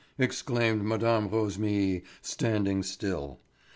exclaimed Mme. Rosémilly, standing still.